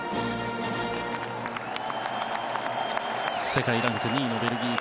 世界ランク２位のベルギー。